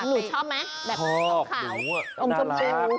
หนูชอบไหมแบบสองขาวนุ้วน่ารัก